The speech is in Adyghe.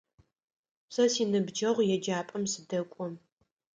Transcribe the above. Сэ синыбджэгъу еджапӏэм сыдэкӏо.